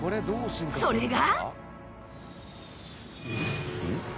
それが